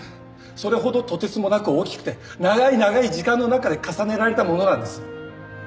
それほどとてつもなく大きくて長い長い時間の中で重ねられたものなんです。